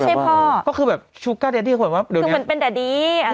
ใช่พ่อก็คือแบบที่ควรว่าเดี๋ยวเนี้ยเป็นแดดดี้อะไร